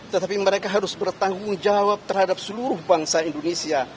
tetapi mereka harus bertanggung jawab terhadap seluruh bangsa indonesia